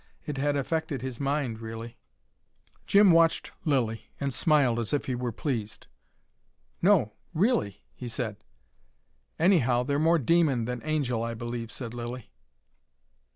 It had affected his mind really." Jim watched Lilly, and smiled as if he were pleased. "No really !" he said. "Anyhow they're more demon than angel, I believe," said Lilly.